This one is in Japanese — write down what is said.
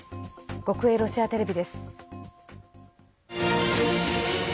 国営ロシアテレビです。